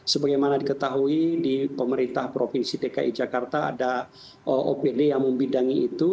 sebagaimana diketahui di pemerintah provinsi dki jakarta ada opd yang membidangi itu